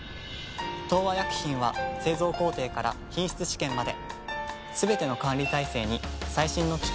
東和薬品は製造工程から品質試験まですべての管理体制に最新の機器や技術を導入。